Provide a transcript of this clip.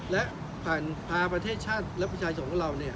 และผ่านพาประเทศชาติและประชาชนของเรา